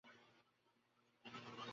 বলে, চাবিটা ফেলে গেলাম নাকি রে?